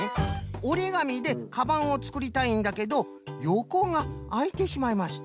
おりがみでかばんをつくりたいんだけどよこがあいてしまいますと。